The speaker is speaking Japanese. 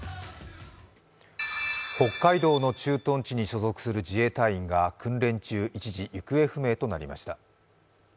北海道の駐屯地に所属する自衛隊員が訓練中、一時行方不明となりました。